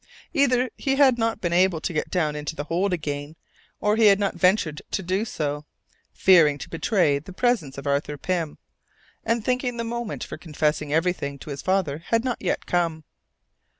Either he had not been able to get down into the hold again, or he had not ventured to do so, fearing to betray the presence of Arthur Pym, and thinking the moment for confessing everything to his father had not yet come.